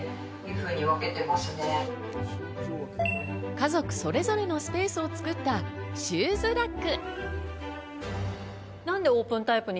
家族それぞれのスペースを作ったシューズラック。